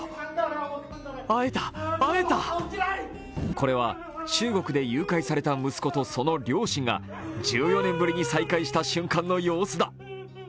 これは中国で誘拐された息子とその両親が１４年ぶりに再会した瞬間の様子だ。